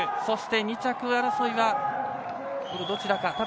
そして２着争いはどちらか。